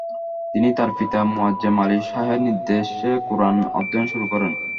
তিনি তার পিতা মোয়াজ্জেম আলী শাহের নির্দেশে কুরআন অধ্যয়ন শুরু করেন।